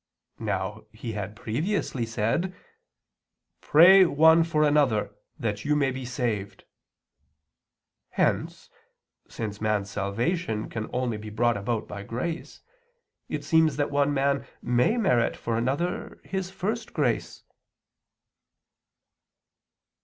Now he had previously said: "Pray one for another, that you may be saved." Hence, since man's salvation can only be brought about by grace, it seems that one man may merit for another his first grace.